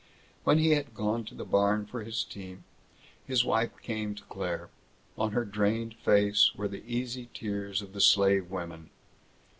When he had gone to the barn for his team, his wife came to Claire. On her drained face were the easy tears of the slave women.